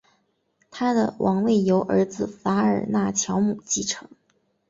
他的王位由儿子法尔纳乔姆继承。